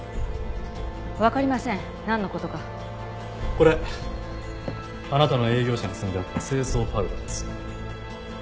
これあなたの営業車に積んであった清掃パウダーです。